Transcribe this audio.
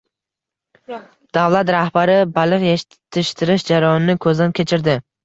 Davlat rahbari baliq yetishtirish jarayonini ko‘zdan kechirdi